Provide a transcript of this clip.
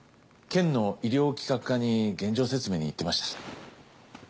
県の医療企画課に現状説明に行ってました。